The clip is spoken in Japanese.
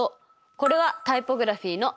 これはタイポグラフィの「タ」。